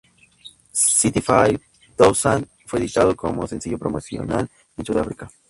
Sixty-five Thousand fue editado como sencillo promocional en Sudáfrica.